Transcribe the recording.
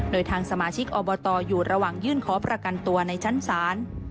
โดยทางสมาชิกอบตอยู่ระหว่างยื่นขอประกันตัวในชั้นศาล